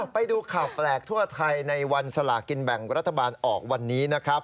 ไปดูข่าวแปลกทั่วไทยในวันสลากินแบ่งรัฐบาลออกวันนี้นะครับ